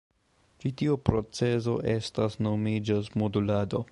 Ĉi tiu procezo estas nomiĝas "modulado.